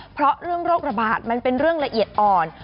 เพราะเรื่องโรคระบาดมันเป็นเรื่องละเอียดอ่อน